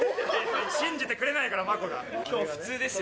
信じてくれないから、きょう普通ですよ。